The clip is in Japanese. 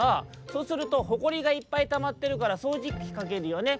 「そうするとほこりがいっぱいたまってるからそうじきかけるよね？